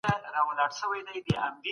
که توازن ساتل سوی وای بحران به نه راتله.